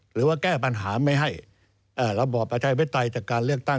หรือว่าแก้ปัญหาไม่ให้ระบอบประชาธิปไตยจากการเลือกตั้ง